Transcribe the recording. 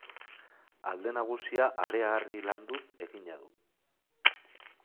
Alde nagusia hareharri landuz egina du.